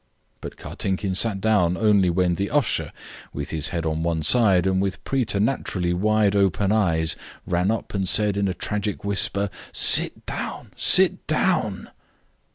But Kartinkin sat down only when the usher, with his head on one side, and with preternaturally wide open eyes, ran up, and said, in a tragic whisper, "Sit down, sit down!"